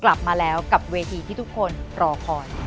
กลับมาแล้วกับเวทีที่ทุกคนรอคอย